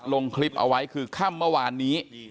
ลงคลิปเอาไว้คือค่ำเมื่อวานนี้